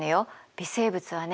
微生物はね